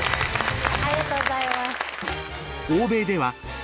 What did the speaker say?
ありがとうございます。